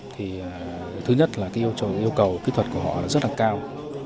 thì thứ nhất là yêu cầu kỹ thuật của họ rất là cao